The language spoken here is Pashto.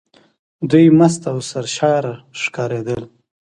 دوی مست او سرشاره ښکارېدل.